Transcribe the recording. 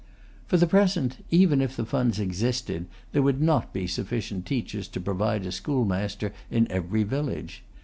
For the present, even if the funds existed, there would not be sufficient teachers to provide a schoolmaster in every village.